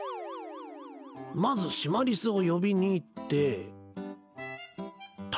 まずシマリスを呼びに行って頼んで